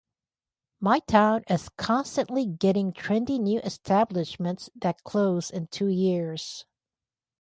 My town is constantly getting trendy new establishments that close in two years.